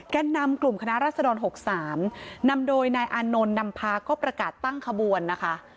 นำกลุ่มคณะรัศดร๖๓นำโดยนายอานนท์นำพาก็ประกาศตั้งขบวนนะคะ